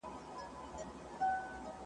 بلکي پر دې خوا راغلي ټول بریدګر.